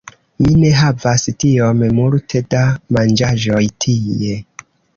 Mi ne havas tiom multe da manĝaĵoj tie